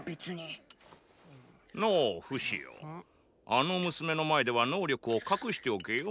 あの娘の前では「能力」を隠しておけよ。